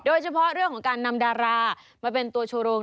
โดยเฉพาะเรื่องของการนำดารามาเป็นตัวโชว์โรง